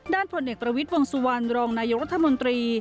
ผลเอกประวิทย์วงสุวรรณรองนายกรัฐมนตรี